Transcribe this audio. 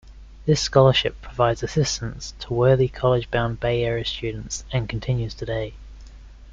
This scholarship provides assistance to worthy college-bound Bay Area students, and continues today.